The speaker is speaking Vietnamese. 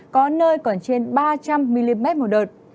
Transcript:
có nơi còn trên ba trăm linh mm một đợt